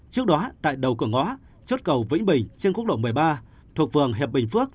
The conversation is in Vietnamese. trước đó tại đầu cửa ngõ chốt cầu vĩnh bình trên quốc lộ một mươi ba thuộc phường hiệp bình phước